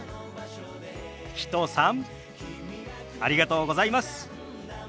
きとさんありがとうございます。